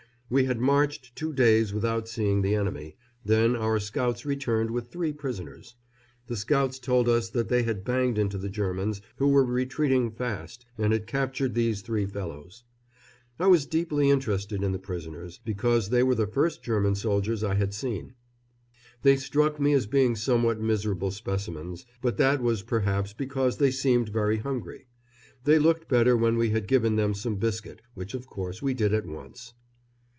We had marched two days without seeing the enemy, then our scouts returned with three prisoners. The scouts told us that they had banged into the Germans, who were retreating fast, and had captured these three fellows. I was deeply interested in the prisoners, because they were the first German soldiers I had seen. They struck me as being somewhat miserable specimens, but that was perhaps because they seemed very hungry. They looked better when we had given them some biscuit, which of course we did at once.